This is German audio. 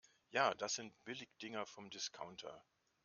Ja, das sind Billigdinger vom Discounter.